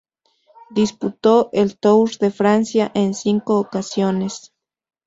Disputó el Tour de Francia en cinco ocasiones.